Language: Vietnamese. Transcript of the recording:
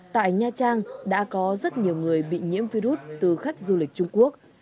tại nha trang đã có rất nhiều người bị nhiễm virus từ khách du lịch trung quốc